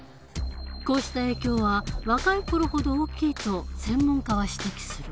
こうした影響は若い頃ほど大きいと専門家は指摘する。